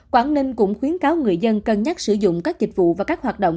quảng ninh cũng khuyến cáo người dân cân nhắc sử dụng các dịch vụ và các hoạt động